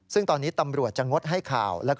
ซึ่งตอนนี้ตำรวจจะงดให้ข่าว